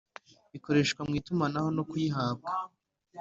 Ikoreshwa mu itumanaho no kuyihabwa